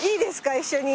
一緒に。